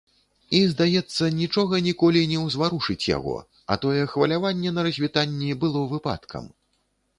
І, здаецца, нічога ніколі не ўзварушыць яго, а тое хваляванне на развітанні было выпадкам.